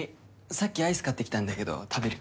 さっきアイス買ってきたんだけど食べる？